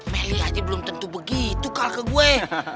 melih aja belum tentu begitu kal ke gue